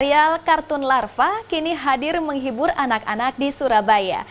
serial kartun larva kini hadir menghibur anak anak di surabaya